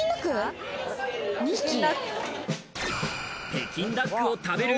北京ダック食べてる。